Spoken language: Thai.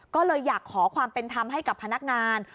ก็เลยอยากขอความเป็นธรรมให้กับพนักงาน